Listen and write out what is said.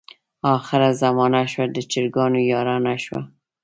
اخره زمانه شوه، د چرګانو یارانه شوه.